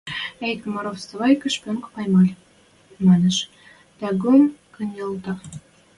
– Эй, Комаров, вставай-ка, шпионку поймали, – манеш, тӓгӱм кӹньӹлтӓ.